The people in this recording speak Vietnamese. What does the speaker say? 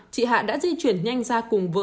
chị hạ đã di chuyển nhanh ra cùng vợ